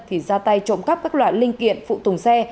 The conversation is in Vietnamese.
thì ra tay trộm cắp các loại linh kiện phụ tùng xe